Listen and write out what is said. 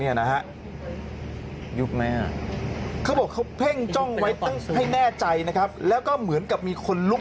ยุบไหมพวกเขาเพิ่งจ้องไว้ให้แน่ใจนะครับแล้วก็เหมือนกับมีคนลุบ